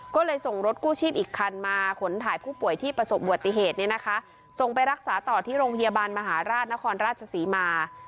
ก็เลยส่งรถกู้ชีพอีกคันมาขนถ่ายผู้ป่วยที่ประสบอุบัติเหตุเนี่ยนะคะส่งไปรักษาต่อที่โรงพยาบาลมหาราชนครราชศรีมา